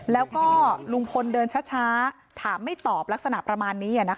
แล้วก็ลุงพลเดินช้าถามไม่ตอบลักษณะประมาณนี้